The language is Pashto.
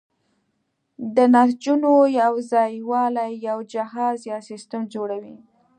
د نسجونو یوځای والی یو جهاز یا سیستم جوړوي.